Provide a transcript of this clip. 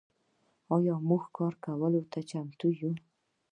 آیا موږ کار کولو ته چمتو یو؟